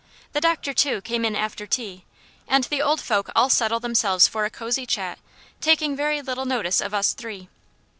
The doctor, too, came in after tea, and the old folk all settled themselves for a cosy chat, taking very little notice of us three.